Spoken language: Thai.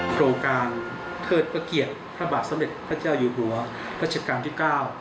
โครงการเทิดพระเกียรติพระบาทสมเด็จพระเจ้าอยู่หัวรัชกาลที่เก้า